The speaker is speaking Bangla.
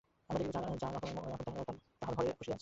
আমি দেখিব যাহারা আমার আপন তাহারা তাঁহার ঘরে বসিয়া আছে।